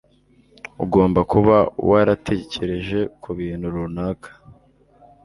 Ugomba kuba waratekereje kubintu runaka.